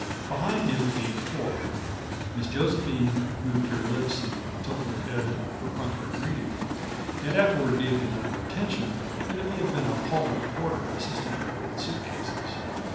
Behind him came Ford; Miss Josephine moved her lips and tilted her head in a perfunctory greeting, and afterward gave him no more attention than if he had been a Pullman porter assisting with her suitcases.